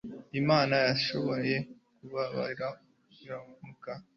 imana yanashobora kubabaraho gukiranuka